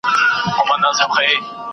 سالم ذهن راتلونکی نه دروي.